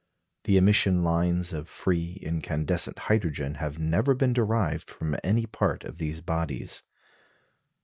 The emission lines of free, incandescent hydrogen have never been derived from any part of these bodies.